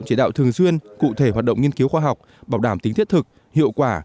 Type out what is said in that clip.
chỉ đạo thường xuyên cụ thể hoạt động nghiên cứu khoa học bảo đảm tính thiết thực hiệu quả